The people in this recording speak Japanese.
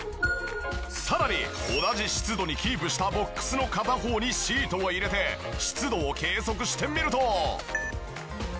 さらに同じ湿度にキープしたボックスの片方にシートを入れて湿度を計測してみると。